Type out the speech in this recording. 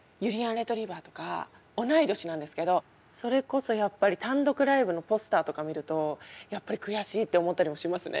レトリィバァとか同い年なんですけどそれこそやっぱり単独ライブのポスターとか見るとやっぱり悔しいって思ったりもしますね